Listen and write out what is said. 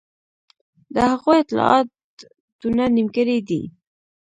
د هغوی اطلاعات دونه نیمګړي دي.